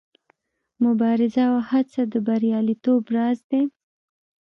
مبارزه او هڅه د بریالیتوب راز دی.